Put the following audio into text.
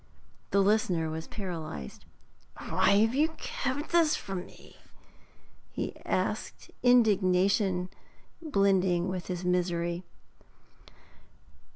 The listener was paralysed. 'Why have you kept this from me?' he asked, indignation blending with his misery.